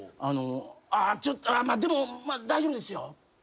「あちょっでも大丈夫ですよ」